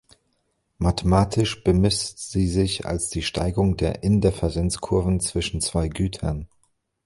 Mathematisch bemisst sie sich als die Steigung der Indifferenzkurven zwischen zwei Gütern.